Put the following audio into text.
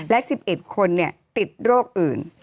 และ๑๑คนเนี่ยติดโรคอื่น